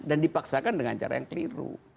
dan dipaksakan dengan cara yang keliru